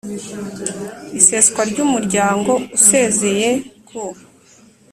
iseswa ry umuryango Usezeye ku